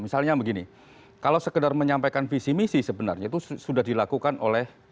misalnya begini kalau sekedar menyampaikan visi misi sebenarnya itu sudah dilakukan oleh